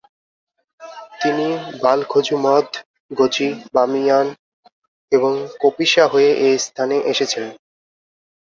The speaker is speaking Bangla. তিনি বালখজুমধ, গচি, বামিয়ান এবং কপিশা হয়ে এ স্থানে এসেছিলেন।